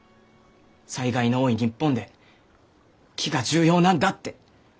災害の多い日本で木が重要なんだって。